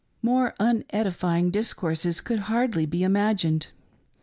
More unedifying discourses could hardly be imagined.